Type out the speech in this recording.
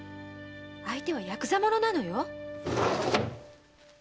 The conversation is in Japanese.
相手はやくざ者なのよ。